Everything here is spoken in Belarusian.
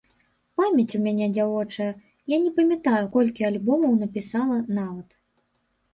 Памяць у мяне дзявочая, я не памятаю, колькі альбомаў напісала, нават.